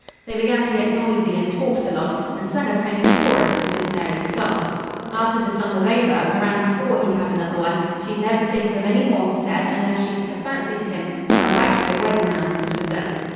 They began to get noisy and talked a lot, and sung a kind of a chorus to Miss Mary's song. After the song was over, Moran swore he'd have another one. She'd never sing for him any more, he said, unless she took a fancy to him, and went back to the Weddin Mountains with them.